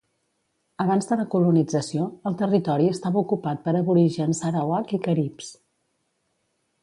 Abans de la colonització, el territori estava ocupat per aborígens arawak i caribs.